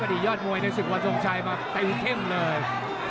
ประดิษฐ์มวยในสิกวรรดิส่งชัยมาตายเข้มเลย